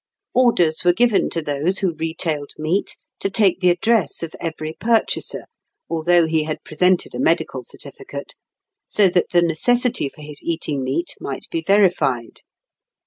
Orders were given to those who retailed meat to take the address of every purchaser, although he had presented a medical certificate, so that the necessity for his eating meat might be verified.